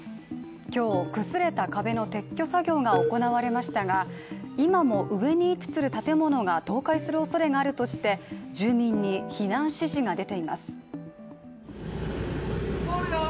今日、崩れた壁の撤去作業が行われましたが今も上に位置する建物が倒壊するおそれがあるとして、住民に避難指示が出ています。